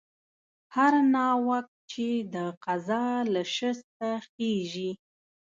هر ناوک چې د قضا له شسته خېژي